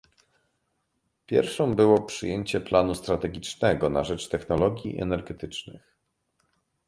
pierwszą było przyjęcie planu strategicznego na rzecz technologii energetycznych